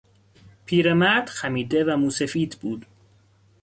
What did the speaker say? پیرمرد خمیده و موسفید بود.